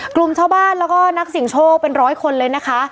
กลุ่มชาวบ้านแล้วก็นักเสียงโชคเป็นร้อยคนเลยนะคะ